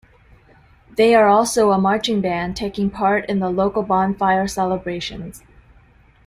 They are also a marching band, taking part in the local bonfire celebrations.